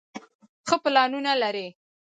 ښۀ پلانونه لري